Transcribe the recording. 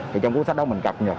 thì trong cuốn sách đó mình cập nhật